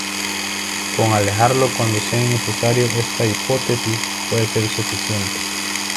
Con alejarlo cuando sea innecesario esta hipótesis puede ser suficiente.